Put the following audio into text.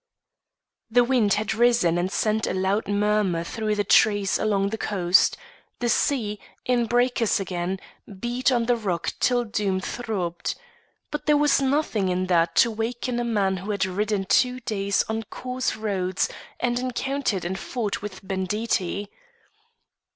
The wind had risen and sent a loud murmur through the trees along the coast; the sea, in breakers again, beat on the rock till Doom throbbed. But there was nothing in that to waken a man who had ridden two days on coarse roads and encountered and fought with banditti.